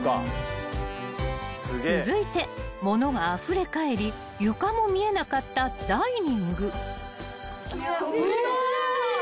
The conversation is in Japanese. ［続いて物があふれ返り床も見えなかったダイニング］え！